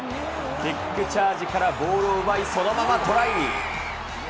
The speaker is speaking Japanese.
キックチャージからボールを奪い、そのままトライ。